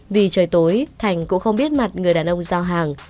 vì trời tối thành cũng không biết mặt người đàn ông giao hàng